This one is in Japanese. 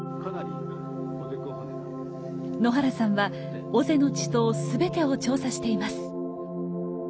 野原さんは尾瀬の池溏全てを調査しています。